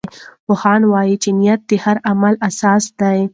پوهان وایي چې نیت د هر عمل اساس دی.